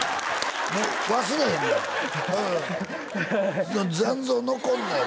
もう忘れへんもん残像残るのよ